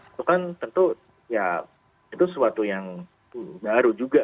itu kan tentu ya itu sesuatu yang baru juga